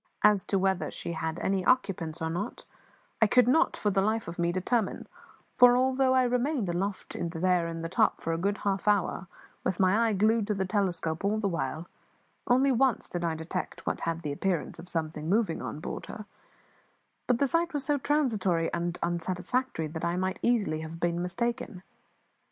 As to whether she had any occupants or not, I could not for the life of me determine; for although I remained aloft there in the top for a good half hour, with my eye glued to the telescope all the while, only once did I detect what had the appearance of something moving on board her; but the sight was so transitory and unsatisfactory that I might easily have been mistaken.